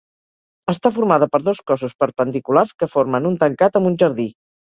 Està formada per dos cossos perpendiculars que formen un tancat amb un jardí.